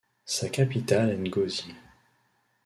Sa capitale est Ngozi.